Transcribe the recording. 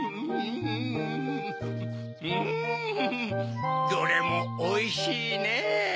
うんどれもおいしいねぇ。